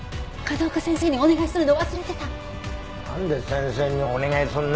なんで先生にお願いするの。